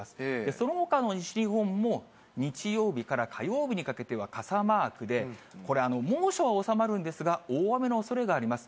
そのほかの西日本も、日曜日から火曜日にかけては傘マークで、これ、猛暑は収まるんですが、大雨のおそれがあります。